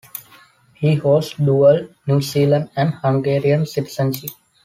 He holds dual New Zealand and Hungarian citizenship.